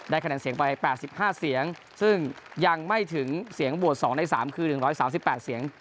คะแนนเสียงไป๘๕เสียงซึ่งยังไม่ถึงเสียงโหวต๒ใน๓คือ๑๓๘เสียง